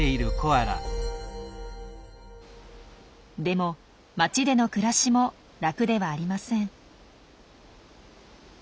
でも町での暮らしも楽ではありません。